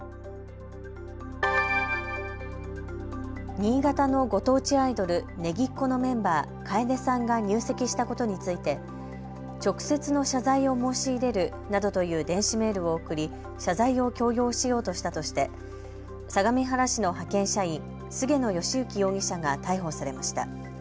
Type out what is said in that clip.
新潟のご当地アイドル、Ｎｅｇｉｃｃｏのメンバー、Ｋａｅｄｅさんが入籍したことについて直接の謝罪を申し入れるなどという電子メールを送り謝罪を強要しようとしたとして相模原市の派遣社員、菅野栄幸容疑者が逮捕されました。